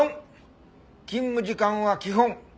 「４勤務時間は基本